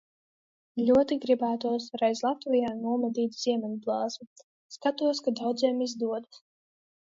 Ļoti gribētos reiz Latvijā nomedīt ziemeļblāzmu. Skatos, ka daudziem izdodas.